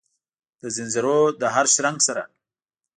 دځنځیرونو د هرشرنګ سره،